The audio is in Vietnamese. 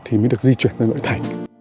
thì mới được di chuyển ra nội thành